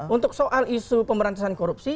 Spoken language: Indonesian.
untuk soal isu pemberantasan korupsi